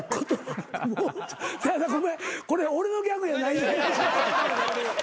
さや香ごめんこれ俺のギャグやない。